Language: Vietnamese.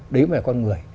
đấy mới là con người